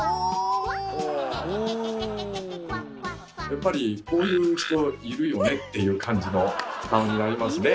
やっぱりこういう人いるよねっていう感じの顔になりますね。